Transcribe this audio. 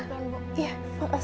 semoga aku belum terlambat